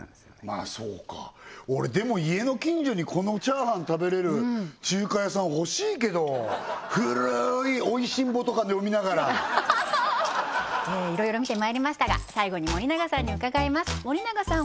まあそうか俺でも家の近所にこのチャーハン食べれる中華屋さん欲しいけど古い「美味しんぼ」とか読みながら色々見てまいりましたが最後に森永さんに伺います森永さん